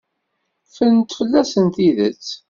Ffrent fell-asen tidet.